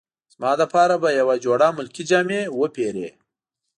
زما لپاره به یوه جوړه ملکي جامې وپیرې.